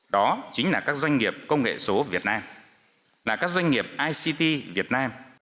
đó chính là các doanh nghiệp công nghệ số việt nam là các doanh nghiệp ict việt nam